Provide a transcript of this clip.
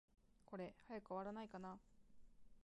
これ、早く終わらないかな。